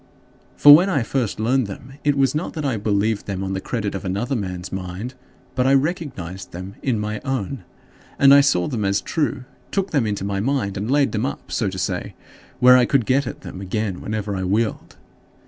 For when I first learned them, it was not that I believed them on the credit of another man's mind, but I recognized them in my own; and I saw them as true, took them into my mind and laid them up, so to say, where I could get at them again whenever I willed.